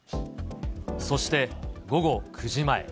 そして午後９時前。